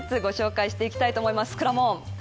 くらもん。